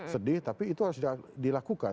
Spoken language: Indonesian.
sedih tapi itu harus dilakukan